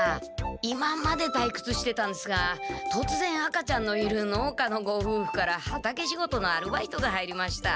今までたいくつしてたんですがとつぜん赤ちゃんのいる農家のごふうふから畑仕事のアルバイトが入りました。